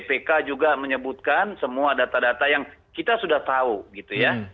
bpk juga menyebutkan semua data data yang kita sudah tahu gitu ya